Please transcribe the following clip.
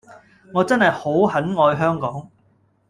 我真係好很愛香港